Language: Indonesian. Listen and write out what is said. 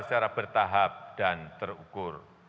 secara bertahap dan terukur